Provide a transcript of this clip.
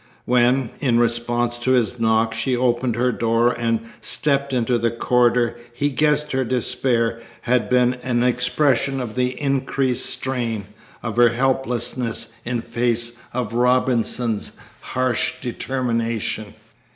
When, in response to his knock, she opened her door and stepped into the corridor he guessed her despair had been an expression of the increased strain, of her helplessness in face of Robinson's harsh determination.